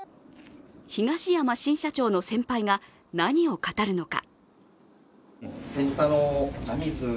東山新社長の先輩が何を語るのか。